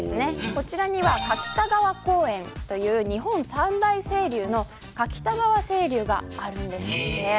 こちらには柿田川公園という日本三大清流の柿田川清流があるんです。